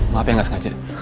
maaf ya gak sengaja